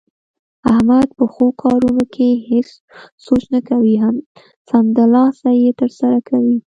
احمد په ښو کارونو کې هېڅ سوچ نه کوي، سمدلاسه یې ترسره کوي.